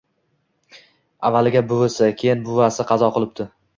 Avvaliga buvisi, keyin buvasi qazo qilibdi